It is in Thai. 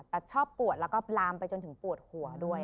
แต่ชอบปวดแล้วก็ลามไปจนถึงปวดหัวด้วย